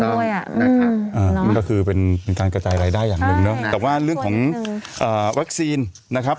มันก็คือเป็นการกระจายรายได้อย่างหนึ่งเนอะแต่ว่าเรื่องของวัคซีนนะครับ